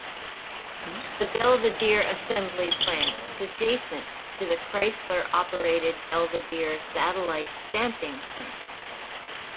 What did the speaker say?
The Belvidere Assembly Plant is adjacent to the Chrysler operated Belvidere Satellite Stamping Plant.